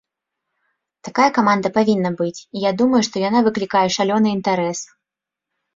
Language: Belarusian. Такая каманда павінна быць, і я думаю, што яна выклікае шалёны інтарэс!